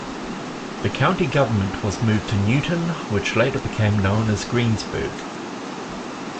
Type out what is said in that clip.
The county government was moved to Newtown, which later became known as Greensburg.